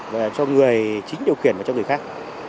và cho người chính điều khiển và cho người khác